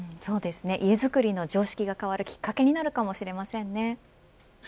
家づくりの常識が変わるきっかけなるかもしれませんね。